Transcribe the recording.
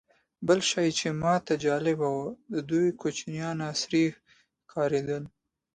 بل شی چې ماته جالبه و، د دوی کوچیان عصري ښکارېدل.